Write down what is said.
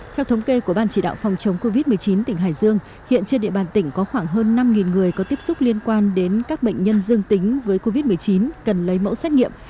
theo thống kê của ban chỉ đạo phòng chống covid một mươi chín tỉnh hải dương hiện trên địa bàn tỉnh có khoảng hơn năm người có tiếp xúc liên quan đến các bệnh nhân dương tính với covid một mươi chín cần lấy mẫu xét nghiệm